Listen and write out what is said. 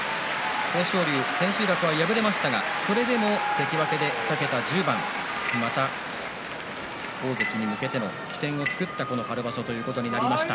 豊昇龍、千秋楽は敗れましたがそれでも関脇で２桁１０番また大関に向けての起点を作ったこの春場所ということになりました。